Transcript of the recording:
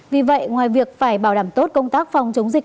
vì vậy ngoài việc phải bảo đảm tốt công tác phòng chống dịch